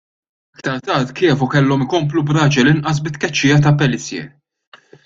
Aktar tard Chievo kellhom ikomplu b'raġel inqas bit-tkeċċija ta' Pellissier.